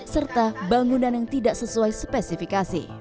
serta bangunan yang tidak sesuai spesifikasi